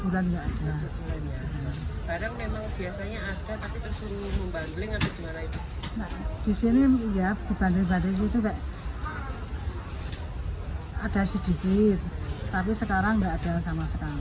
di situ ada sedikit tapi sekarang tidak ada yang sama sekali